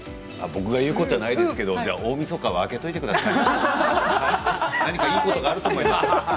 僕が言うことじゃないですけど大みそかは空けておいてください、何かいいことがあると思います。